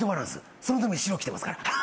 そのために白着てますから。